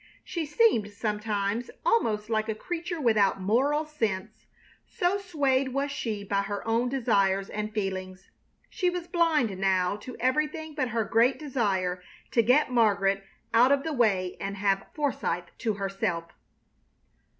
She seemed sometimes almost like a creature without moral sense, so swayed was she by her own desires and feelings. She was blind now to everything but her great desire to get Margaret out of the way and have Forsythe to herself.